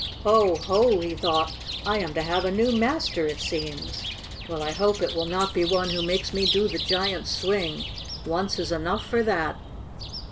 "Oh, ho!" he thought. "I am to have a new master, it seems. Well, I hope it will not be one who makes me do the giant's swing. Once is enough for that!"